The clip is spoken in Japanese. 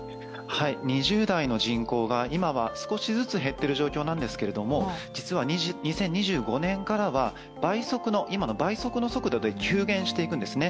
２０代の人口が、今は少しずつ減っている状況なんですけれども実は２０２５年からは今の倍速の速度で急減していくんですね。